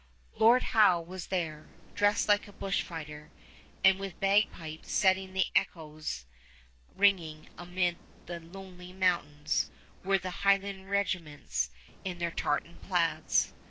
Lord Howe was there, dressed like a bushfighter; and with bagpipes setting the echoes ringing amid the lonely mountains, were the Highland regiments in their tartan plaids.